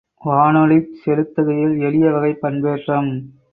வானொலிச் செலுத்துகையில் எளிய வகைப் பண்பேற்றம்.